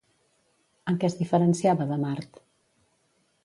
En què es diferenciava de Mart?